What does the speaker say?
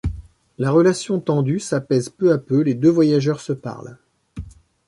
La relation tendue s'apaise peu à peu, les deux voyageurs se parlent.